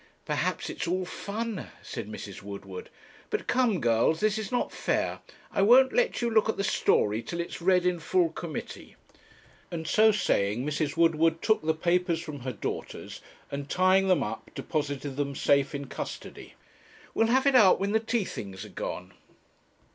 'Perhaps it's all fun,' said Mrs. Woodward. 'But come, girls, this is not fair; I won't let you look at the story till it's read in full committee.' And so saying, Mrs. Woodward took the papers from her daughters, and tying them up, deposited them safe in custody. 'We'll have it out when the tea things are gone.'